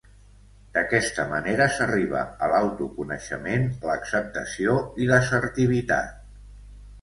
D'aquesta manera s'arriba a l'autoconeixement, l'acceptació i l'assertivitat.